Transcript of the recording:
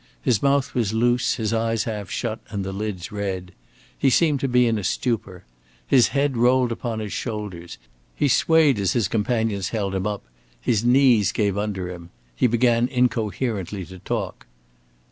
His mouth was loose, his eyes half shut, and the lids red; he seemed to be in a stupor. His head rolled upon his shoulders. He swayed as his companions held him up; his knees gave under him. He began incoherently to talk.